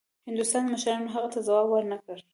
د هندوستان مشرانو هغه ته ځواب ورنه کړ.